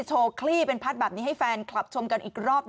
คลี่เป็นพัดแบบนี้ให้แฟนคลับชมกันอีกรอบ